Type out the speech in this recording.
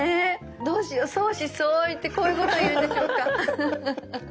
どうしよう相思相愛ってこういうことを言うんでしょうか。